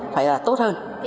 phải là tốt hơn